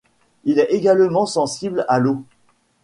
Il est également sensible à l'eau.